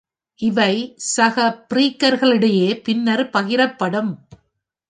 இவை சக பிரீக்கர்களிடையே பின்னர் பகிரப்படும்.